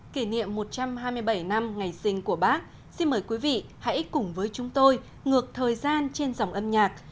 kỷ niệm một trăm hai mươi bảy năm ngày sinh của bác xin mời quý vị hãy cùng với chúng tôi ngược thời gian trên dòng âm nhạc